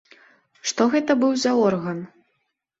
Што гэта быў за орган?